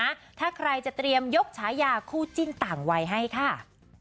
ถ้าใครจะเตรียมยกฉายาคู่จิ้นต่างวัยให้ค่ะ